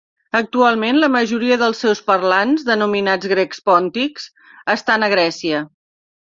Actualment la majoria dels seus parlants, denominats grecs pòntics estan a Grècia.